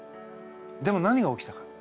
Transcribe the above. でも何が起きたか。